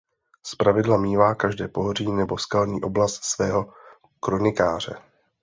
Zpravidla mívá každé pohoří nebo skalní oblast svého kronikáře.